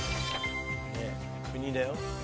国だよ。